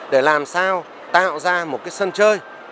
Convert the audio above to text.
để làm sao tạo ra một sân chơi